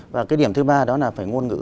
và cái điểm thứ ba đó là phải ngôn ngữ